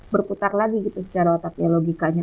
berputar lagi gitu secara otaknya logikanya